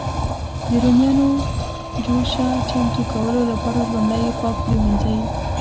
د رومیانو جوشه چمتو کولو لپاره لومړی یې پاک پرېمنځي.